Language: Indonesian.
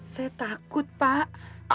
saya takut pak